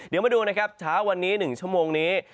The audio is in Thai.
เดี๋ยวมาดูนะครับเช้าวันนี้๑ชั่วโมงนี้